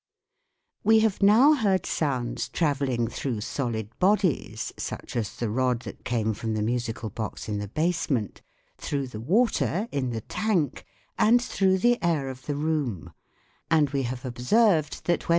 WHAT IS SOUND? 9 We have now heard sounds travelling through solid bodies such as the rod that came from the musical box in the basement, through the water in the tank, and through the air of the room, and we have observed that when there is neither solid FlG.